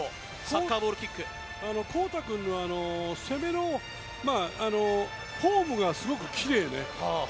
孝太君が、攻めのフォームがすごくきれいだね。